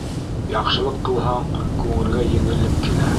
Яҡшылыҡ ҡылһаң, күңелгә еңеллек килә.